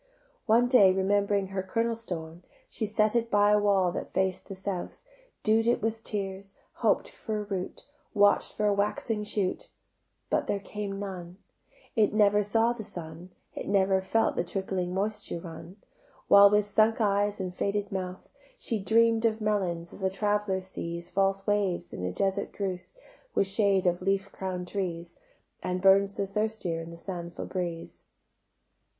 One day remembering her kernel stone She set it by a wall that faced the south; Dew'd it with tears, hoped for a root, Watch'd for a waxing shoot, But there came none; It never saw the sun, It never felt the trickling moisture run: While with sunk eyes and faded mouth She dream'd of melons, as a traveller sees False waves in desert drouth With shade of leaf crown'd trees, And burns the thirstier in the sandful breeze.